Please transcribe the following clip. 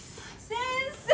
先生！